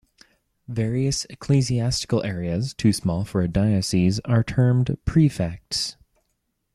Various ecclesiastical areas, too small for a diocese, are termed prefects.